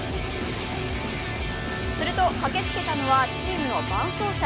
すると駆けつけたのはチームの伴走車。